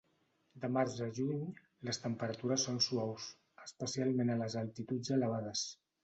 De març a juny, les temperatures són suaus, especialment a les altituds elevades.